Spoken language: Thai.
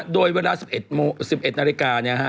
โดยเวลา๑๑นาฬิกา